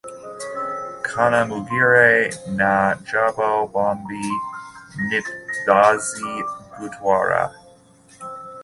kanamugire na jabo bombi ntibazi gutwara